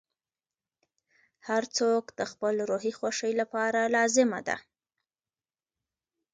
• هر څوک د خپل روحي خوښۍ لپاره لازمه ده.